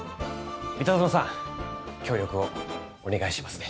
三田園さん協力をお願いしますね。